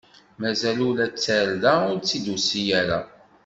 Mazal ula d tarda ur tt-id-tusi ara.